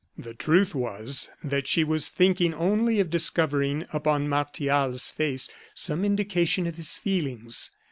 The truth was, that she was thinking only of discovering, upon Martial's face, some indication of his feelings.